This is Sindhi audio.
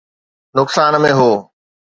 نقصان ۾ هو